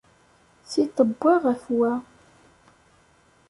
Tiṭ wwa ɣef-wa.